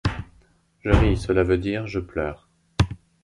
Je ris, cela veut dire : Je pleure.